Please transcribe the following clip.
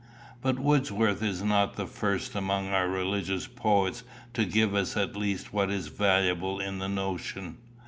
But Wordsworth is not the first among our religious poets to give us at least what is valuable in the notion.